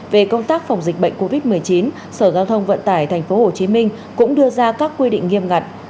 về công tác phòng dịch bệnh covid một mươi chín sở giao thông vận tải tp hcm cũng đưa ra các quy định nghiêm ngặt